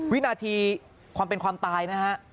วินาทีความเป็นความตายนะฮะ